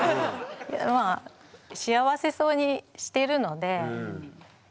まあ幸せそうにしてるので遠いな。